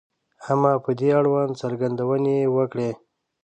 • اما په دې اړوند څرګندونې یې وکړې.